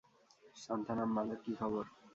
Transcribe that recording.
সান্থানাম, মালের কী খবর?